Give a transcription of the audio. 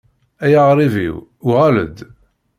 Ay aɣṛib-iw, uɣal-d.